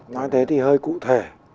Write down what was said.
nói thế thì hơi cụ thể